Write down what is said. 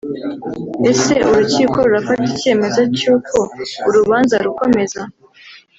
Ese urukiko rurafata icyemezo cy’uko urubanza rukomeza